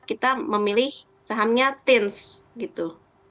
kita memilih sahamnya tins gitu